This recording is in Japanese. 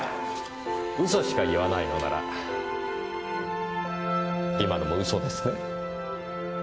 嘘しか言わないのなら今のも嘘ですね？